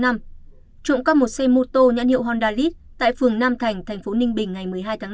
trộm cắp một xe mô tô nhãn hiệu hondalit tại phường nam thành thành phố ninh bình ngày một mươi hai tháng năm